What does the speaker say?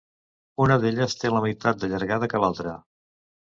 Una d'elles té la meitat de llargada que l'altra.